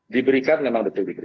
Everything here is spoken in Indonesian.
diberikan memang betul betul